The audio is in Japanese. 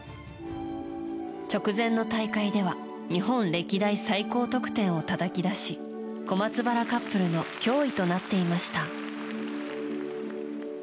直前の大会では日本歴代最高得点をたたき出し小松原カップルの脅威となっていました。